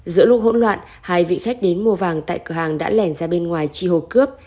giữa lúc hỗn loạn hai vị khách đến mua vàng tại cửa hàng đã lẻn ra bên ngoài chi hồ cướp